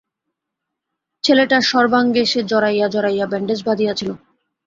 ছেলেটার সর্বাঙ্গে সে জড়াইয়া জড়াইয়া ব্যান্ডেজ বাধিয়াছিল।